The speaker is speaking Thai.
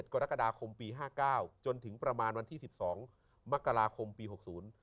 ๑๗กรกฎาคมปี๕กฎาคมจนถึงประมาณวันที่๑๒มกราคมปี๖ศูนย์